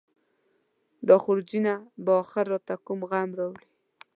دا خورجینه به اخر راته کوم غم راوړي.